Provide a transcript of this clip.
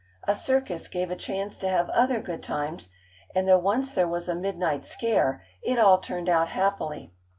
A circus gave a chance to have other good times, and though once there was a midnight scare, it all turned out happily.